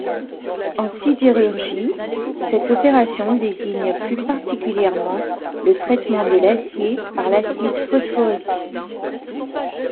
En sidérurgie, cette opération désigne plus particulièrement le traitement de l'acier par l'acide phosphorique.